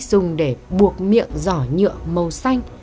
dùng để buộc miệng giỏ nhựa màu xanh